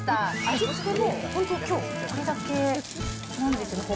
味付けも本当きょう、これだけなんです。